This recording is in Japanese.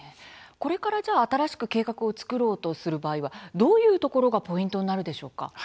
これから新しく計画を作ろうとする場合はどういうところがポイントになるんでしょうか。